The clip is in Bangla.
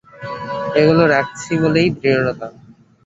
ঐগুলো রাখছি বলেই দৃঢ়তা।